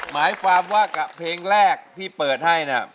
หมายความว่ากับเพลงแรกที่เปิดให้เนี่ย